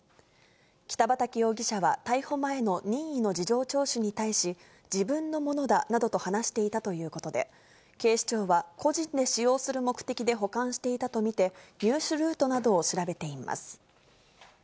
北畠容疑者は逮捕前の任意の事情聴取に対し、自分のものだなどと話していたということで、警視庁は個人で使用する目的で保管していたとみて、入手ルートなどを調べています。